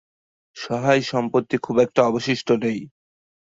সহায় সম্পত্তি খুব একটা অবশিষ্ট নেই।